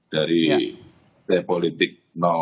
dari t politik satu